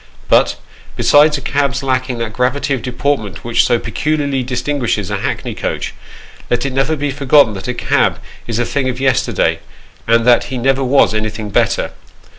But, besides a cab's lacking that gravity of deport ment which so peculiarly distinguishes a hackney coach, let it never be forgotten that a cab is a thing of yesterday, and that ho never was anything better.